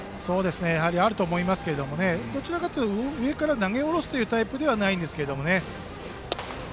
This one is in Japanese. やはりあると思いますけどどちらかというと、上から投げ下ろすタイプではないです。